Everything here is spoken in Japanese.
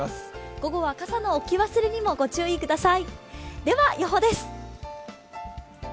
午後は傘の置き忘れにもご注意ください。